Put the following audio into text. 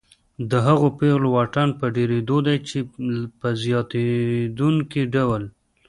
د هغو پیغلو واټن په ډېرېدو دی چې په زیاتېدونکي ډول